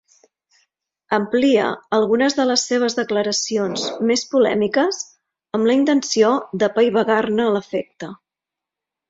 Amplia algunes de les seves declaracions més polèmiques amb la intenció d'apaivagar-ne l'efecte.